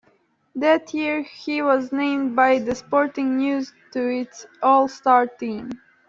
That year, he was named by "The Sporting News" to its All-Star Team.